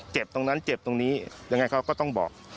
เจ็บตรงนั้นเจ็บตรงนี้ยังไงเขาก็ต้องบอก